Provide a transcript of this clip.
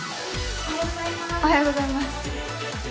おはようございます。